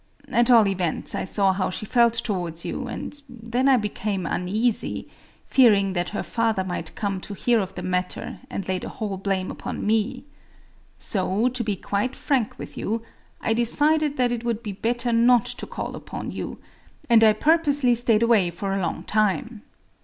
At all events, I saw how she felt towards you; and then I became uneasy,—fearing that her father might come to hear of the matter, and lay the whole blame upon me. So—to be quite frank with you,—I decided that it would be better not to call upon you; and I purposely stayed away for a long time.